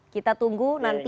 kita tunggu nanti